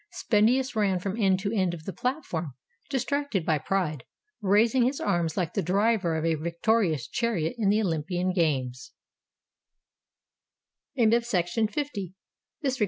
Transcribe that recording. Spendius ran from end to end of the platform, distracted by pride, raising his arms, like the driver of a victorious chariot in the Olympian games.